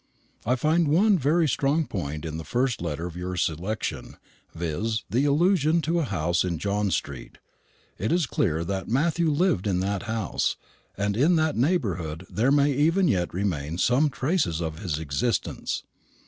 "I find one very strong point in the first letter of your selection, viz. the allusion to a house in John street. It is clear that Matthew lived in that house, and in that neighbourhood there may even yet remain some traces of his existence.